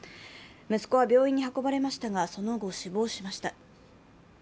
息子は病院に運ばれましたがその後、死亡しました。